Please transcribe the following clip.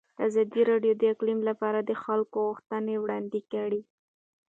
ازادي راډیو د اقلیم لپاره د خلکو غوښتنې وړاندې کړي.